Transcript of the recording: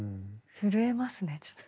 震えますねちょっと。